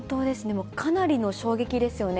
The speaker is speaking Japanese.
もうかなりの衝撃ですよね。